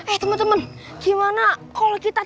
eh temen temen gimana kalau kita